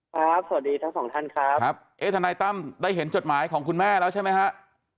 ครับสวัสดีทั้งสองท่านครับทนัยตั้มได้เห็นจดหมายของคุณแม่แล้วใช่ไหมครับ